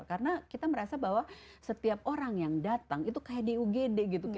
karena kita merasa bahwa setiap orang yang datang itu kayak di ugd gitu